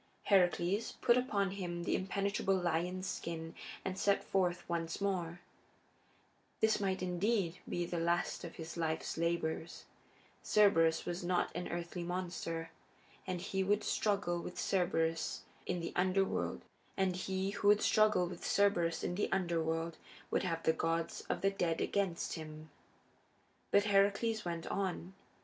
Heracles put upon him the impenetrable lion's skin and set forth once more. This might indeed be the last of his life's labors: Cerberus was not an earthly monster, and he who would struggle with Cerberus in the Underworld would have the gods of the dead against him. But Heracles went on.